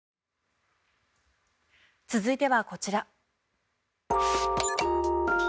続いては、こちら。